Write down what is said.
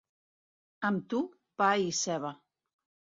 Amb tu, pa i ceba.